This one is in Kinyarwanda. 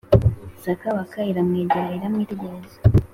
Sakabaka iramwegera, iramwitegereza,